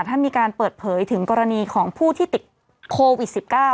ท่านมีการเปิดเผยถึงกรณีของผู้ที่ติดโควิด๑๙